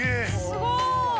すごい。